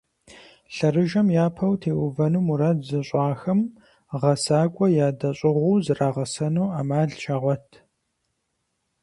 Лъэрыжэм япэу теувэну мурад зыщIахэм, гъэсакIуэ ядэщIыгъуу зрагъэсэну Iэмал щагъуэт.